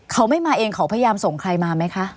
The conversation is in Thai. เขาไม่มาเองเขาพยายามส่งใครมาไหมคะ